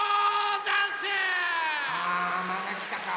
あまたきたか。